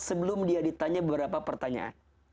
sebelum dia ditanya beberapa pertanyaan